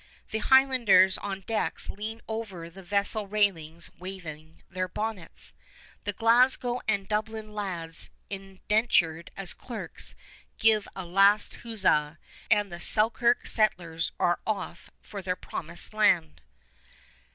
The Highlanders on decks lean over the vessel railings waving their bonnets. The Glasgow and Dublin lads indentured as clerks give a last huzza, and the Selkirk settlers are off for their Promised Land.